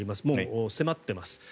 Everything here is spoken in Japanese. もう迫っています。